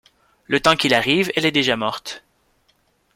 Le temps qu'il arrive, elle est déjà morte.